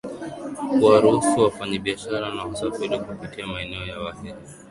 kuwaruhusu wafanyabiashara na wasafiri kupitia maeneo ya wahehe